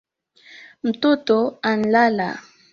Mtoto anlala